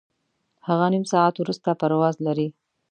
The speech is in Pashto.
هغه نیم ساعت وروسته پرواز لري.